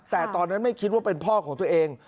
แต่ตอนนั้นไม่คิดว่าเป็นพ่อของตัวเอง